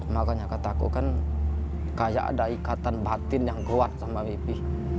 makanya kataku kan kayak ada ikatan batin yang kuat sama mipi